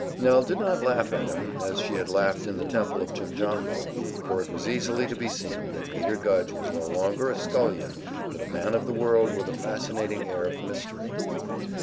Nell did not laugh at him, as she had laughed in the Temple of Jimjambo, for it was easily to be seen that Peter Gudge was no longer a scullion, but a man of the world with a fascinating air of mystery.